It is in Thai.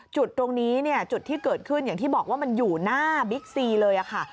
จุดตรงนี้เนี่ยจุดที่เกิดขึ้นอย่างที่บอกว่ามันอยู่หน้าบิ๊กซีเลยค่ะ